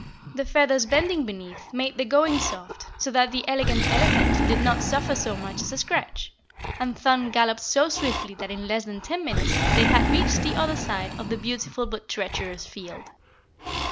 The feathers bending beneath made the going soft so that the Elegant Elephant did not suffer so much as a scratch, and Thun galloped so swiftly that in less than ten minutes they had reached the other side of the beautiful but treacherous field.